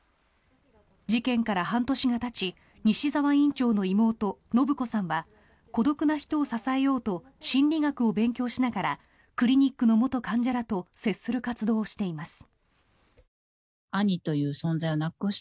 事件から半年がたち西澤院長の妹・伸子さんは孤独な人を支えようと心理学を勉強しながらクリニックの元患者らと接する活動をしています。